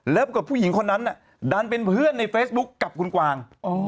แล้วกับผู้หญิงคนนั้นดันเป็นเพื่อนในเฟซบุ๊คกับคุณกวาง